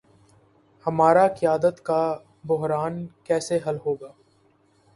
ہمارا قیادت کا بحران کیسے حل ہو گا۔